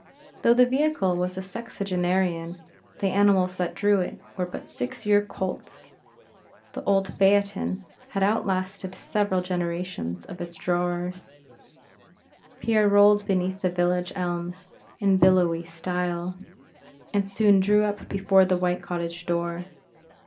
Though the vehicle was a sexagenarian, the animals that drew it, were but six year colts. The old phaeton had outlasted several generations of its drawers. Pierre rolled beneath the village elms in billowy style, and soon drew up before the white cottage door.